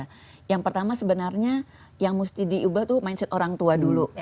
karena pertama sebenarnya yang mesti diubah tuh mindset orang tua dulu